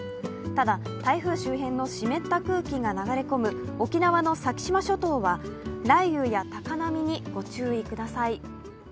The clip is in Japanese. ただ台風周辺の湿った空気が流れ込む沖縄の先島諸島は雷雨や高波にご注意ください。